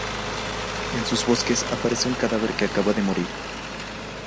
En sus bosques aparece un cadáver que acaba de morir.